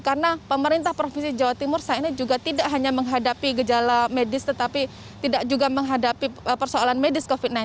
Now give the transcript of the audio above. karena pemerintah provinsi jawa timur saat ini juga tidak hanya menghadapi gejala medis tetapi tidak juga menghadapi persoalan medis covid sembilan belas